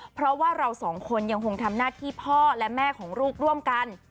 เพราะว่าเราสองคนยังคงทำหน้าที่พ่อและแม่ของลูกร่วมกัน